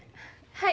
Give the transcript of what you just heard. はい。